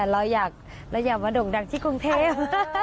เราอย่ามาด่งดังที่กรุงเทพ